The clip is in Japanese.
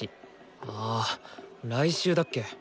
ああ来週だっけ？